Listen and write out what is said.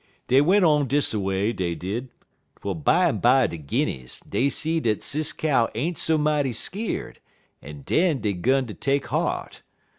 "Dey went on dis a way, dey did, twel bimeby de Guinnies, dey see dat Sis Cow ain't so mighty skeer'd, en den dey 'gun ter take heart.